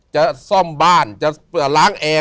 จะซ่อมบ้านจะล้างแอร์